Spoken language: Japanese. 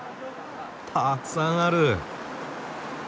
たくさんある。